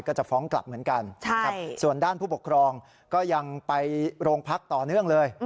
ก็จะฟ้องกลับเหมือนกันส่วนด้านผู้ปกครองก็ยังไปโรงพักต่อเนื่องเลย